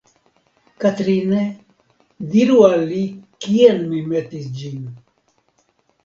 Katrine, diru al li kien mi metis ĝin.